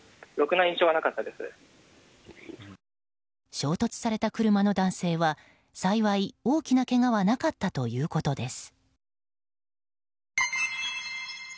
衝突された車の男性は幸い大きなけがはなかったということです。